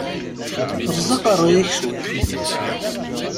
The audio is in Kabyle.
Ṛṛeẓ aqeṛṛu-yik cwiṭ!